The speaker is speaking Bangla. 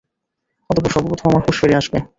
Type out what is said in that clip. অতঃপর সর্বপ্রথম আমার হুঁশ ফিরে আসবে।